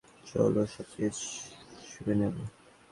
চল, ওর সব তেজ শুষে নেবো।